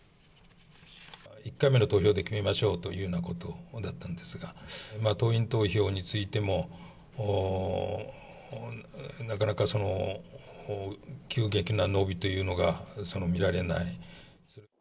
１回目の投票で決めましょうというようなことだったんですが、党員投票についても、なかなか急激な伸びというのが見られない。